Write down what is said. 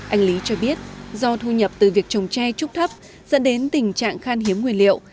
anh lý cho biết do thu nhập từ việc trồng tre trúc thấp dẫn đến tình trạng khan hiếm nguyên liệu